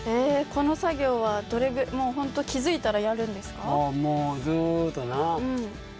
この作業はもうほんと気付いたらやるんですか？